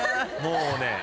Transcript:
もうね。